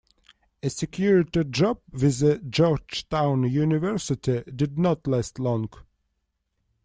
A security job with Georgetown University did not last long.